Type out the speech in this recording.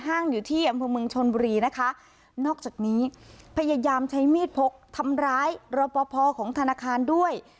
อยู่ที่อำเภอเมืองชนบุรีนะคะนอกจากนี้พยายามใช้มีดพกทำร้ายรอปภของธนาคารด้วย